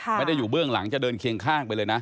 วันนี้ขอประกาศที่นี้ครับ